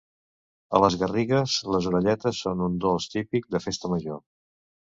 A les Garrigues, les orelletes són un dolç típic de Festa Major.